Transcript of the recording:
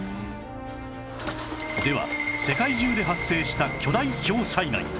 では世界中で発生した巨大ひょう災害